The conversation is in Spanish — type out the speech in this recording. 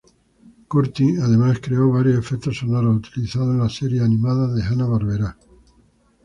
Curtin además creó varios efectos sonoros utilizados en las series animadas de Hanna-Barbera.